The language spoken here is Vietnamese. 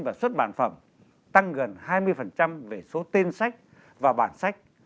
và xuất bản phẩm tăng gần hai mươi về số tên sách và bản sách